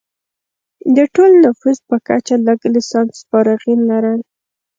د ټول نفوس په کچه لږ لسانس فارغین لرل.